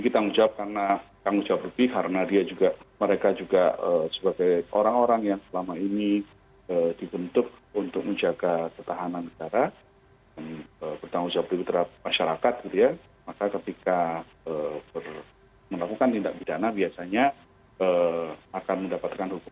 diadili melalui peradilan khusus